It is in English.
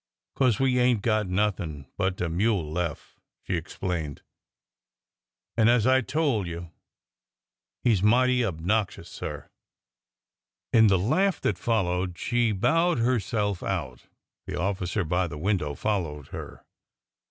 '' 'Cause we ain't got nothin' but de mule lef'," she explained; '' an', as I told you, he 's mighty obnoxious, sir !" In the laugh that followed she bowed herself out. The officer by the window followed her.